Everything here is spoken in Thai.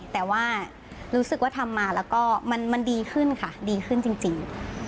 แต่ว่ารู้สึกว่าทำมาแล้วก็มันดีขึ้นค่ะดีขึ้นจริง